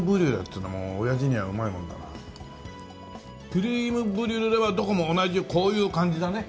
クリームブリュレはどこも同じでこういう感じだね。